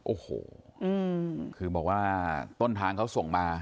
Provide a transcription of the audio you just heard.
โอ้โหคือบอกว่าต้นทางเขาส่งมา